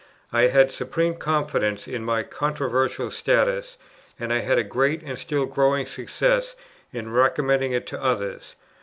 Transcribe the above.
I had supreme confidence in my controversial status, and I had a great and still growing success, in recommending it to others.